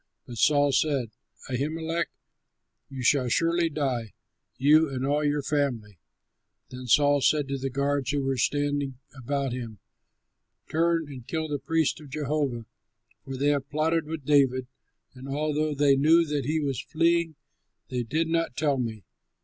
But Saul said, "Ahimelech, you shall surely die, you and all your family." Then Saul said to the guards who were standing about him, "Turn and kill the priests of Jehovah, for they have plotted with David; and although they knew that he was fleeing, they did not tell me."